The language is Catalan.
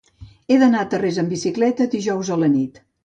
He d'anar a Tarrés amb bicicleta dijous a la nit.